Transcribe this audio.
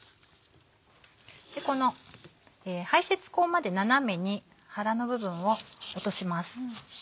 この排せつ腔まで斜めに腹の部分を落とします。